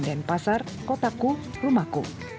denpasar kotaku rumaku